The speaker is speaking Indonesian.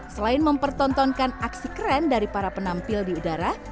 selain mempertontonkan aksi keren dari para penampil di udara